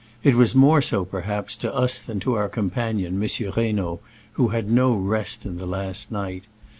It was more so, perhaps, to us than to our companion, M. Reynaud, who had no rest in the last night.